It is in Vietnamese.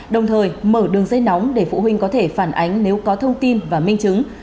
đồng thời mở đường dây nóng để phụ huynh có thể phản ánh nếu có thông tin và minh chứng